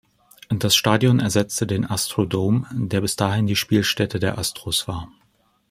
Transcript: Das Stadion ersetzte den Astrodome, der bis dahin die Spielstätte der Astros war.